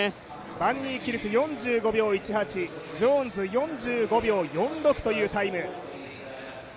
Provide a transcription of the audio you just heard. バンニーキルク４５秒１８、ジョーンズ４５秒４６というタイム。